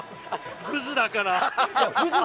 グズだから！